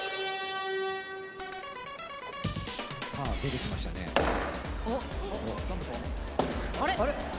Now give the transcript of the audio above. あれ？